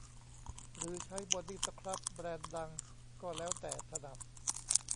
หรือใช้บอดี้สครับแบรนด์ดังก็แล้วแต่ถนัด